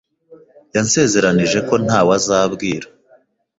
yansezeranije ko ntawe azabwira.